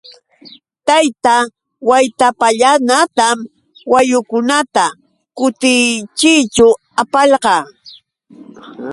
Tayta Waytapallanatam wayukunata kutichiyćhu apalqaa.